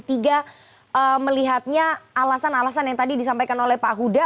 tiga melihatnya alasan alasan yang tadi disampaikan oleh pak huda